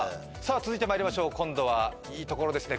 続いてまいりましょう今度はいいところですね